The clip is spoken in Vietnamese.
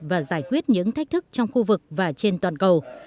và giải quyết những thách thức trong khu vực và trên toàn cầu